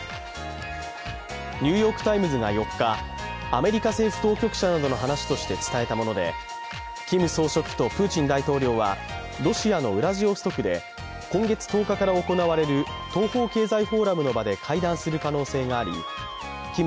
「ニューヨーク・タイムズ」が４日、アメリカ政府当局者などの話として伝えたものでキム総書記とプーチン大統領はロシアのウラジオストクで今月１０日から行われる東方経済フォーラムの場で会談する可能性がありキム